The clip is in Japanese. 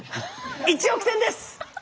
１億点です！